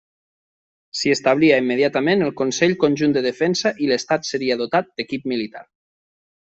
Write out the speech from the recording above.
S'hi establia immediatament el Consell Conjunt de Defensa i l'Estat seria dotat d'equip militar.